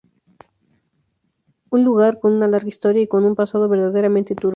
Un lugar con una larga historia y con un pasado verdaderamente turbio.